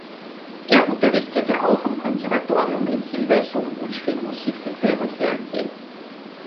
Er unterrichtete auch am Konservatorium in Hilversum und schrieb Musik für Film und Fernsehen.